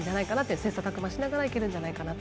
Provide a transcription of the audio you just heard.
切さたく磨しながらいけるんじゃないかなと。